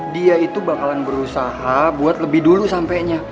dia itu bakalan berusaha buat lebih dulu sampainya